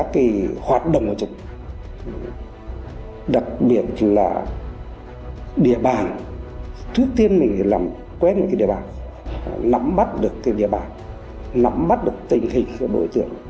không bắt được tình hình của đối tượng